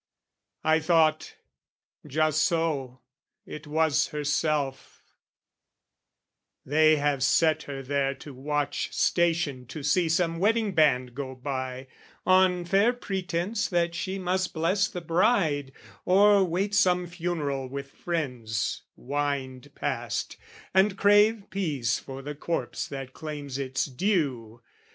I thought "Just so: "It was herself, they have set her there to watch "Stationed to see some wedding band go by, "On fair pretence that she must bless the bride, "Or wait some funeral with friends wind past, "And crave peace for the corpse that claims its due.